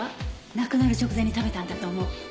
亡くなる直前に食べたんだと思う。